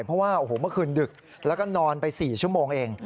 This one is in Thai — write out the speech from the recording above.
เพราะว่าโอ้โหเมื่อคืนดึกแล้วก็นอนไป๔ชั่วโมงเอง